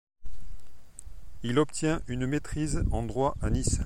Il obtient une maîtrise en droit à Nice.